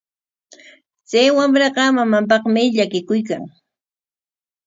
Chay wamraqa mamanpaqmi llakikuykan.